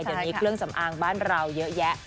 เดี๋ยวนี้เครื่องสำอางบ้านเราเยอะแยะ